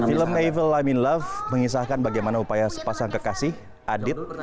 film evil i'm in love mengisahkan bagaimana upaya sepasang kekasih adit